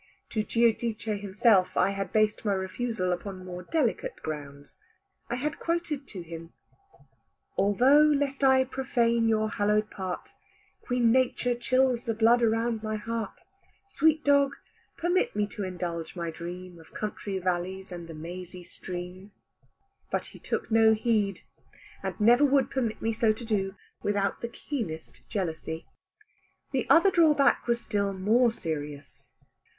To Giudice himself I had based my refusal upon more delicate grounds. I had quoted to him, "Although, lest I profane your hallowed part, Queen Nature chills the blood around my heart; Sweet dog, permit me to indulge my dream Of country valleys, and the mazy stream." But he took no heed, and never would permit me so to do, without the keenest jealousy. The other drawback was still more serious.